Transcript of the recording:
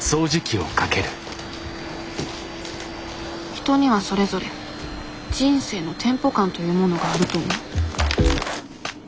人にはそれぞれ人生のテンポ感というものがあると思う